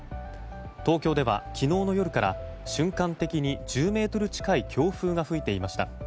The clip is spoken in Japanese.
東京では昨日の夜から瞬間的に１０メートル近い強風が吹いていました。